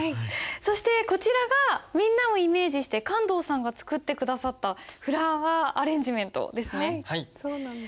そしてこちらがみんなをイメージして観堂さんが作って下さったフラワーアレンジメントですね。